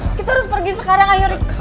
kita harus pergi sekarang ayo nih